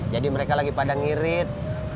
jadi mereka lagi pada ngirit